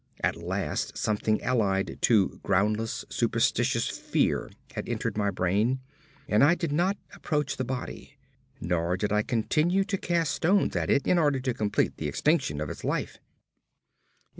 At last something allied to groundless, superstitious fear had entered my brain, and I did not approach the body, nor did I continue to cast stones at it in order to complete the extinction of its life.